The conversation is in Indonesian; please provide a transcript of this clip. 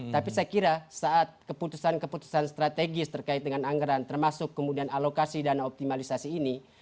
tapi saya kira saat keputusan keputusan strategis terkait dengan anggaran termasuk kemudian alokasi dana optimalisasi ini